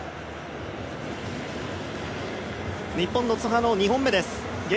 日本の津波の２本目です。